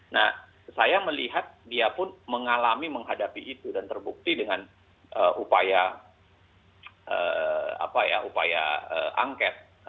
nah saya melihat dia pun mengalami menghadapi itu dan terbukti dengan upaya angket